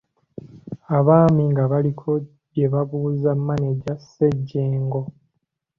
Abaami nga baliko bye babuuza Mmaneja Ssejjengo.